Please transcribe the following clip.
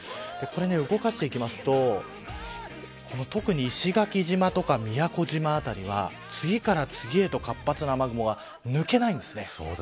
動かしていきますと石垣島とか宮古島辺りは次から次へと活発な雨雲が抜けないんです。